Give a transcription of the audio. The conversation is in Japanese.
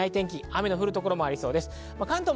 雨の降る所もありそうです。